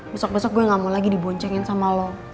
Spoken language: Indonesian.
besok besok gue gak mau lagi diboncengin sama lo